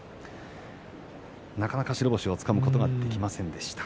なかなか白星をつかむことができませんでした。